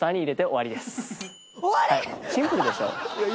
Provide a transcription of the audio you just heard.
あとはシンプルでしょ？